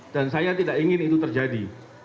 dan saya tidak ingin itu terjadi